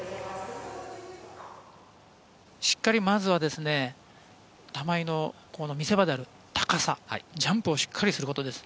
しっかりまずは玉井の見せ場である高さ、ジャンプをしっかりすることです。